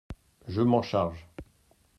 Je m’en charge !